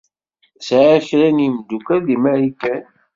Sɛiɣ kra n yimeddukal deg Marikan.